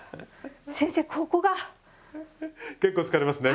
先生ここが。結構疲れますね。